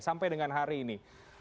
sampai dengan hari ini